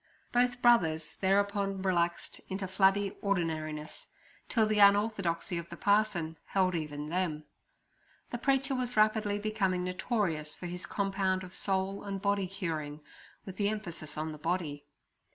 Both Brothers thereupon relaxed into flabby ordinariness, till the unorthodoxy of the parson held even them. This preacher was rapidly becoming notorious for his compound of soul and body curing, with the emphasis on the body.